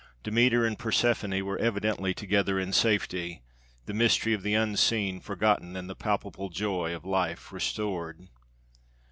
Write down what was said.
Demeter and Persephone were evidently together in safety, the mystery of the unseen forgotten in the palpable joy of life restored.